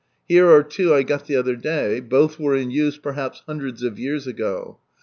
Here are two I got the Other day ; both were in use perhaps hundreds of years ago.